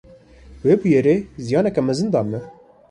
Wê bûyerê ziyaneke mezin da me.